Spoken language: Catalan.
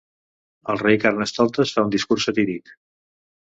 El rei Carnestoltes fa un discurs satíric.